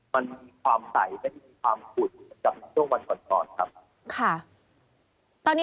มันมีความใส่ที่มีความหุดจากเวลาค่อนก่อน